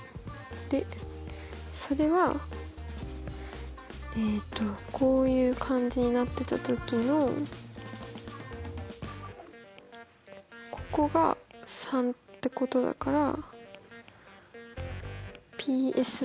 でそれはえとこういう感じになってたときのここが３ってことだから。